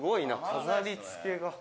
飾りつけが」